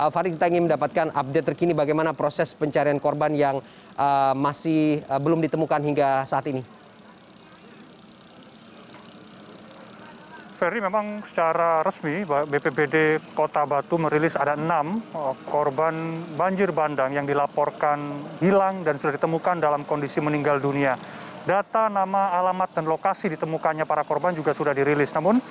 farid kita ingin mendapatkan update terkini bagaimana proses pencarian korban yang masih belum ditemukan hingga saat ini